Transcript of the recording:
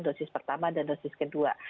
dosis pertama dan dosis kedua